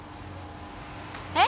え？